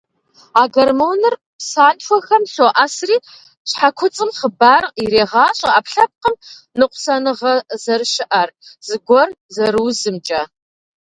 А гормоныр псантхуэхэм лъоӏэсри, щхьэкуцӏым хъыбар ирегъащӏэ ӏэпкълъэпкъым ныкъусаныгъэ зэрыщыӏэр, зыгуэр зэрыузымкӏэ.